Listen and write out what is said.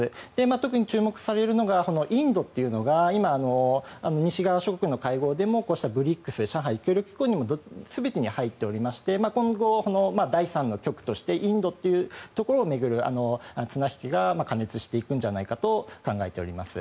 特に注目されるのがインドというのが今、西側諸国の会合でもこうしたＢＲＩＣＳにも上海協力機構にも全てに入っておりまして今後、第３の極としてインドというところを巡る綱引きが過熱していくんじゃないかと考えております。